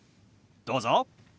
どうぞ。